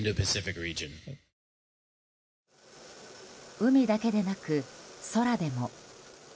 海だけでなく空でも。